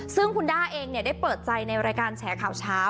ซึ่งคุณด้าเองได้เปิดใจในรายการแฉข่าวเช้า